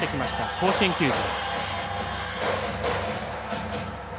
甲子園球場。